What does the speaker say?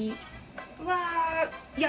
うわ！